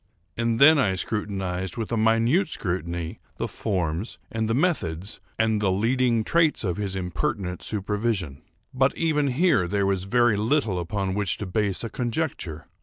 And then I scrutinized, with a minute scrutiny, the forms, and the methods, and the leading traits of his impertinent supervision. But even here there was very little upon which to base a conjecture.